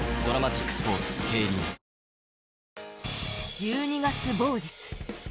１２月某日。